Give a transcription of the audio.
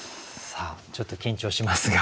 ちょっと緊張しますが。